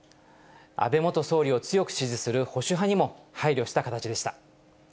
安倍元総理を強く支持する保守派にも配慮した形でした。